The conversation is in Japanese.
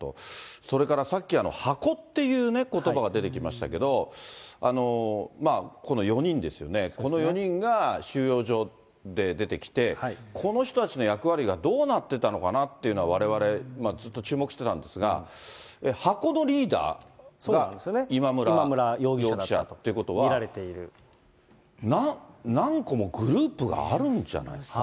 それからさっき箱っていうことばが出てきましたけど、この４人ですよね、この４人が収容所で出てきて、この人たちの役割がどうなってたのかなってのは、われわれ、ずっと注目してたんですが、箱のリーダーが今村容疑者ということは、何個もグループがあるんじゃないですか。